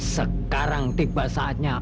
sekarang tiba saatnya